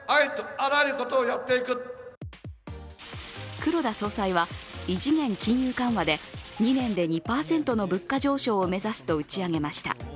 黒田総裁は異次元金融緩和で２年で２％の物価上昇を目指すと打ち出しました。